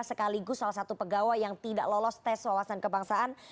sekaligus salah satu pegawai yang tidak lolos tes wawasan kebangsaan